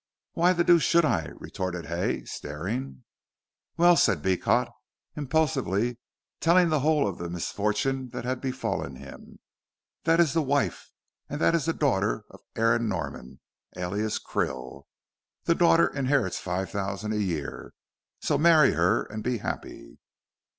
"Why the deuce should I," retorted Hay, staring. "Well," said Beecot, impulsively telling the whole of the misfortune that had befallen him, "that is the wife and that is the daughter of Aaron Norman, alias Krill. The daughter inherits five thousand a year, so marry her and be happy."